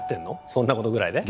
そんなことぐらいで？